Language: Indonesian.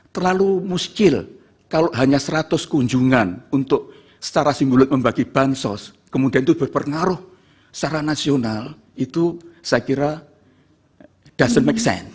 terlalu muskil kalau hanya seratus kunjungan untuk secara simbolik membagi bansos kemudian itu berpengaruh secara nasional itu saya kira dosen make sense